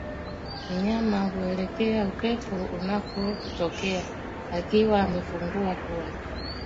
Mnyama huelekea upepo unakotokea akiwa amefungua pua